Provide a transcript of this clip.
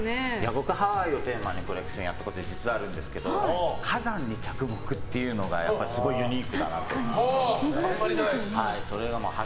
僕、ハワイをテーマにコレクションやったことあるんですけど火山に着目っていうのがすごいユニークだなと。